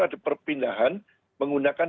ada perpindahan menggunakan